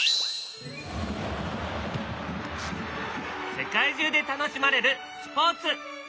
世界中で楽しまれるスポーツ！